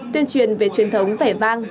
tuyên truyền về truyền thống vẻ vang